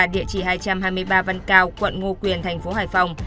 địa chỉ hai trăm hai mươi ba văn cao quận ngo quyền thành phố hải phòng